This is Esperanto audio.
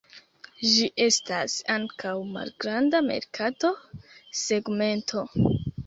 Ĝi estas ankaŭ malgranda merkato segmento.